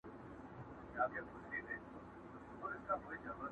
د چڼچڼيو او د زرکو پرځای!!